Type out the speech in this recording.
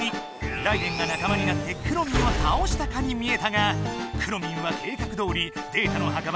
ライデェンが仲間になってくろミンをたおしたかに見えたがくろミンは計画どおりデータの墓場